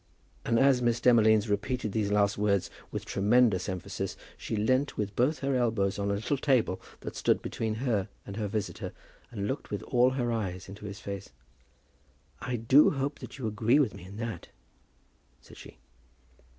And as Miss Demolines repeated these last words with tremendous emphasis she leant with both her elbows on a little table that stood between her and her visitor, and looked with all her eyes into his face. "I do hope that you agree with me in that," said she.